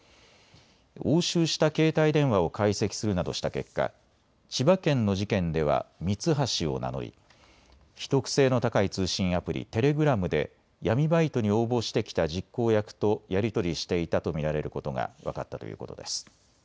押収した携帯電話を解析するなどした結果、千葉県の事件ではミツハシを名乗り秘匿性の高い通信アプリテレグラムで闇バイトに応募してきた実行役とやり取りしていたと見られることが分かったということです。